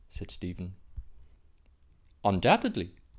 said Stephen. "Undoubtedly.